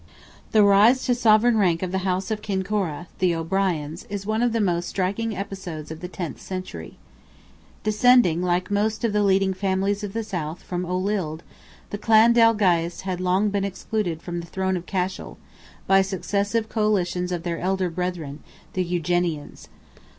The rise to sovereign rank of the house of Kincorra (the O'Briens), is one of the most striking episodes of the tenth century. Descending, like most of the leading families of the South, from Olild, the Clan Dalgais had long been excluded from the throne of Cashel, by successive coalitions of their elder brethren, the Eugenians.